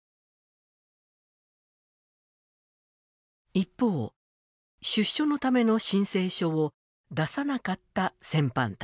一方、出所のための申請書を出さなかった戦犯たち。